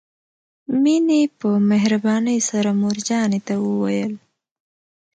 مينې په مهربانۍ سره مور جانې ته وويل.